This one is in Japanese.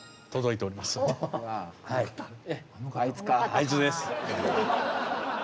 あいつです。